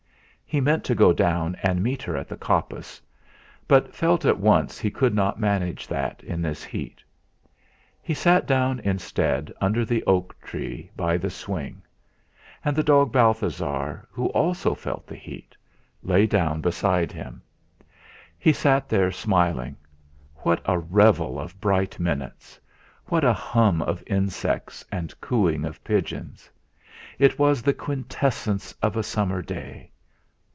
He meant to go down and meet her in the coppice, but felt at once he could not manage that in this heat. He sat down instead under the oak tree by the swing, and the dog Balthasar, who also felt the heat, lay down beside him. He sat there smiling. What a revel of bright minutes! What a hum of insects, and cooing of pigeons! It was the quintessence of a summer day.